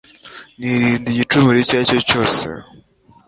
nirinda igicumuro icyo ari cyo cyose